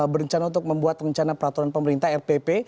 berencana untuk membuat rencana peraturan pemerintah rpp